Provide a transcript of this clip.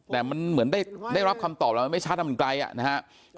แต่มันเหมือนได้รับคำตอบแล้วไม่ชัดทำอย่างไร